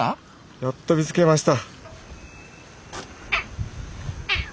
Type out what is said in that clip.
やっと見つけました。